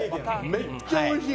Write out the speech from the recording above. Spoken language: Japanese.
めっちゃ美味しい！